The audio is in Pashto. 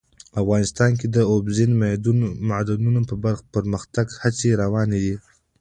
افغانستان کې د اوبزین معدنونه د پرمختګ هڅې روانې دي.